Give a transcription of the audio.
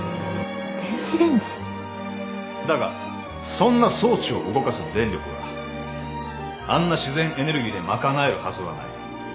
だがそんな装置を動かす電力があんな自然エネルギーで賄えるはずはない。